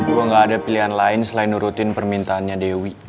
gue gak ada pilihan lain selain nurutin permintaannya dewi